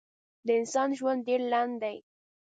د انسان ژوند ډېر لنډ دی.